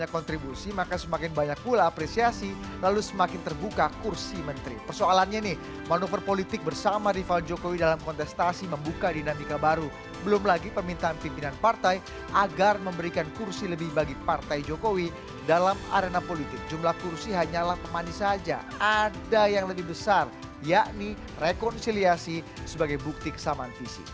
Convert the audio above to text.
kursi hanyalah pemanis saja ada yang lebih besar yakni rekonsiliasi sebagai bukti kesamaan visi